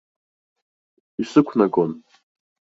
Исықәнагон.